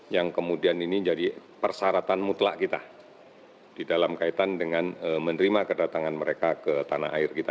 yang kemudian ini jadi persyaratan mutlak kita di dalam kaitan dengan menerima kedatangan mereka ke tanah air kita